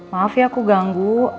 maaf ya aku ganggu